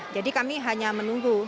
jadi kami hanya menunggu